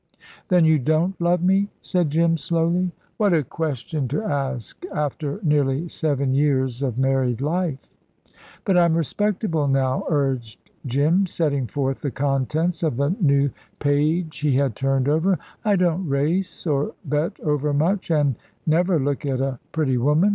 "Then you don't love me?" said Jim, slowly. "What a question to ask after nearly seven years of married life." "But I'm respectable now," urged Jim, setting forth the contents of the new page he had turned over. "I don't race or bet overmuch, an' never look at a pretty woman.